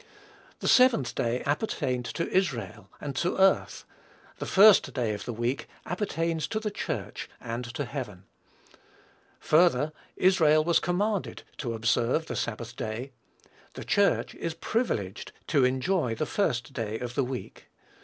The seventh day appertained to Israel and to earth. The first day of the week appertains to the Church and to heaven. Further, Israel was commanded to observe the sabbath day; the Church is privileged to enjoy the first day of the week.